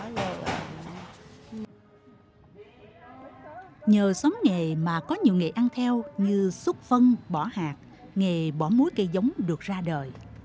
nhờ xóm nghề mà có nhiều nghề ăn theo như xúc phân bỏ hạt nghề bỏ muối cây giống được ra đời